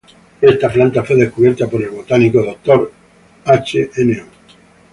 Esta planta fue descubierta por el botánico Dr. Hno.